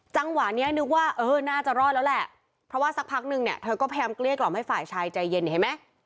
จังหวะนี้นึกว่าเออน่าจะรอดแล้วแหละเพราะว่าสักพักนึงเนี่ยเธอก็พยายามเกลี้ยกล่อมให้ฝ่ายชายใจเย็นนี่เห็นไหม